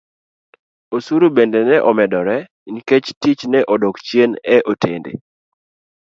Osuru bende ne omedore nikech tich ne odok chien e otende